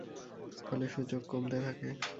ফলে সূচক কমতে থাকে।